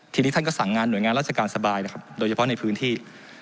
ทีนี้ท่านก็สั่งงานหน่วยงานราชการสบายนะครับโดยเฉพาะในพื้นที่